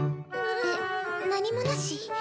えっ何もなし？